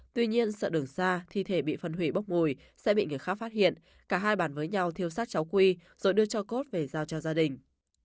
tuy nhiên sợ đường xa thi thể bị phân hủy bốc mùi sẽ bị người khác phát hiện cả hai bàn với nhau thiêu sát cháu quy rồi đưa cho cốt về giao cho gia đình